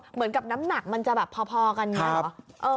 เหมือนกับน้ำหนักมันจะแบบพอกันเนี่ย